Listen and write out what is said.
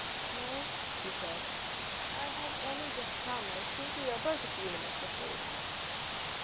"No," she said, "I have only just come. I think we are both a few minutes before the time."